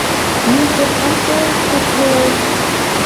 Мин ҡурҡамсы ул, Күкһылыу!